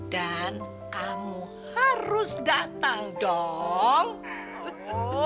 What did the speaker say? dan kamu harus datang dong